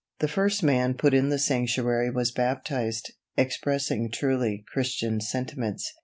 The first man put in the sanctuary was baptized, expressing truly Christian sentiments.